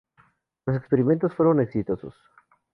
Los experimentos fueron exitosos.